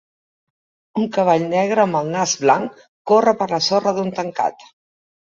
Un cavall negre amb el nas blanc corre per la sorra d'un tancat.